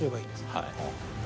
はい。